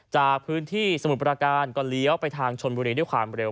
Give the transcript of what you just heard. จากพื้นที่สมุทรประการก็เลี้ยวไปทางชนบุรีด้วยความเร็ว